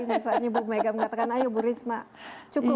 misalnya bu megah mengatakan ayo bu risma cukup di surabaya